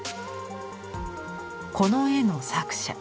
この絵の作者。